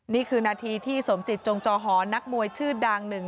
นี่คือนาทีที่สมจิตจงจอหอนักมวยชื่อดัง